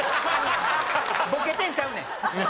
ボケてんちゃうねん。